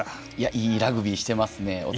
いいラグビーしてますね。